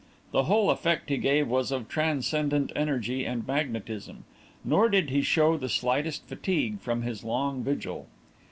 The whole effect he gave was of transcendent energy and magnetism, nor did he show the slightest fatigue from his long vigil.